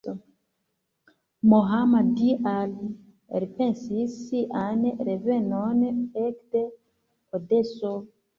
Mohammad Ali elpensis sian revenon ekde Odeso.